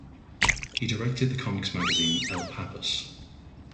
He directed the comics magazine "El Papus".